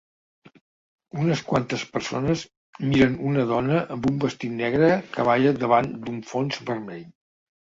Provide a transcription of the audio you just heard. Unes quantes persones miren una dona amb un vestit negre que balla davant d'un fons vermell.